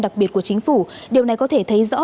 đặc biệt của chính phủ điều này có thể thấy rõ